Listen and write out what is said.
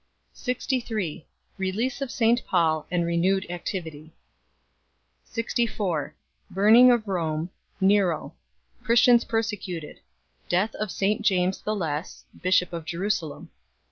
63 Release of St Paul and renewed activity. 64 Burning of Rome. Nero. Christians persecuted. Death of St James the Less, Bishop of Jerusalem.